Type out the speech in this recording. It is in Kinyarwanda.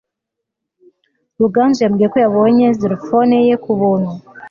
ruganzu yambwiye ko yabonye xylophone ye ku buntu